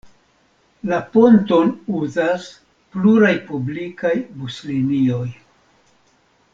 La ponton uzas pluraj publikaj buslinioj.